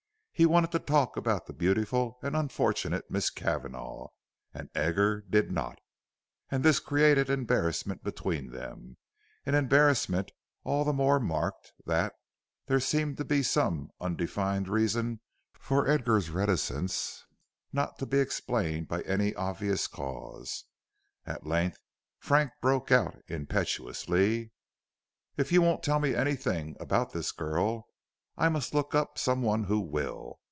He wanted to talk about the beautiful and unfortunate Miss Cavanagh, and Edgar did not, and this created embarrassment between them, an embarrassment all the more marked that there seemed to be some undefined reason for Edgar's reticence not to be explained by any obvious cause. At length Frank broke out impetuously: "If you won't tell me anything about this girl, I must look up some one who will.